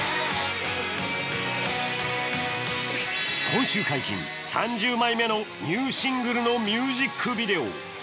今週解禁、３０枚目のニューシングルのミュージックビデオ。